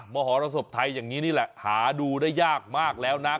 มหรสบไทยอย่างนี้นี่แหละหาดูได้ยากมากแล้วนะ